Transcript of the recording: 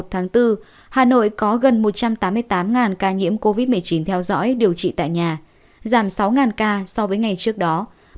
hà nội có gần một trăm tám mươi tám ca nhiễm covid một mươi chín theo dõi điều trị tại nhà giảm sáu ca so với ngày trước đó